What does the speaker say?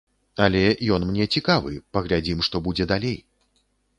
Але ён мне цікавы, паглядзім, што будзе далей.